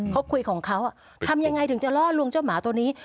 เขาคุยของเขาทำยังไงถึงจะล่อลวงเจ้าหมาตัวนี้